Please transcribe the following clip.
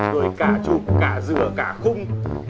rồi cả chụp cả rửa cả khung